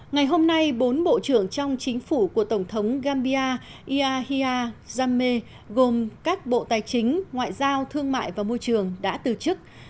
ngày hôm nay bốn bộ trưởng trong chính phủ của tổng thống gambia iahya zame gồm các bộ tài chính ngoại giao thương mại và môi trường đã từ chức